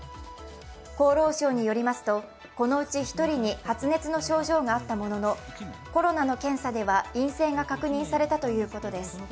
厚労省によりますとこのうち１人に発熱の症状があったもののコロナの検査では陰性が確認されたということです。